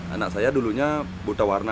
anak saya dulunya buta warna